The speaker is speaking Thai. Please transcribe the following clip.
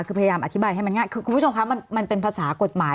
คือพยายามอธิบายให้มันง่ายคือคุณผู้ชมคะมันเป็นภาษากฎหมาย